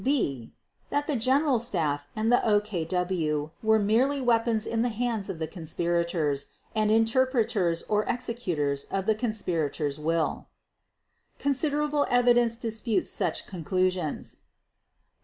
b) That the General Staff and the OKW were merely weapons in the hands of the conspirators and interpreters or executors of the conspirators' will. Considerable evidence disputes such conclusions.